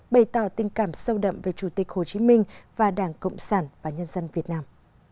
bày tỏ tình cảm sâu đậm về chủ tịch hồ chí minh và đảng cộng sản và nhân dân việt nam